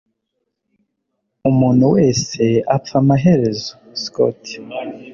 Umuntu wese apfa amaherezo (Scott)